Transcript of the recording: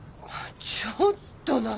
ちょっと何？